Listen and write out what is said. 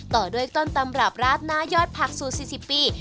ต่อด้วยต้นตำรับราดหน้ายอดผักสูตร๔๐ปี